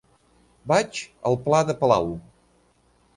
Vaig al pla de Palau.